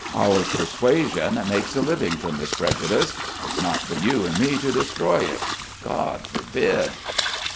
Our persuasion makes a living from this prejudice. It's not for you and me to destroy it. God forbid!"